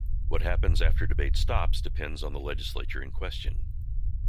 What happens after debate stops depends on the legislature in question.